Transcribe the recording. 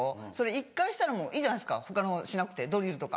１回したらいいじゃないですか他のしなくてドリルとか。